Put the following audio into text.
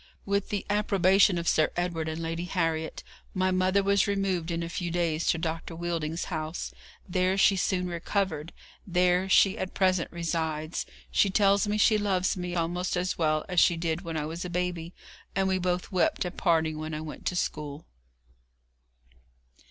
With the approbation of Sir Edward and Lady Harriet, my mother was removed in a few days to Dr. Wheelding's house. There she soon recovered! there she at present resides. She tells me she loves me almost as well as she did when I was a baby, and we both wept at parting when I went to school.